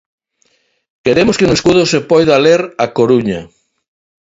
Queremos que no escudo se poida ler: A Coruña.